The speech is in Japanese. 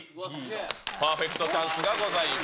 パーフェクトチャンスがございます。